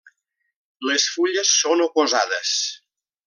Les fulles són oposades.